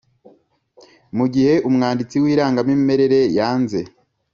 Mu gihe umwanditsi w irangamimerere yanze